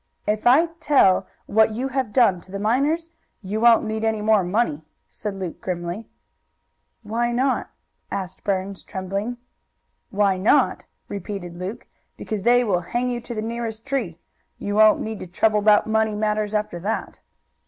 "If I tell what you have done to the miners you won't need any more money," said Luke grimly. "Why not?" asked Burns, trembling. "Why not?" repeated Luke. "Because they will hang you to the nearest tree. You won't need to trouble about money matters after that."